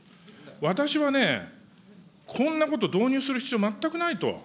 私はね、こんなこと導入する必要、全くないと。